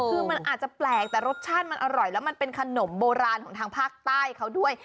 คือมันอาจจะแปลกแต่รสชาติมันอร่อยแล้วมันเป็นขนมโบราณของทางภาคใต้เขาด้วย